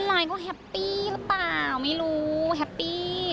ไลน์ก็แฮปปี้หรือเปล่าไม่รู้แฮปปี้